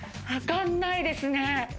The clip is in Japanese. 分かんないですね。